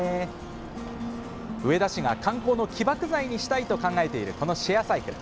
上田市が観光の起爆剤にしたいと考えているシェアサイクル。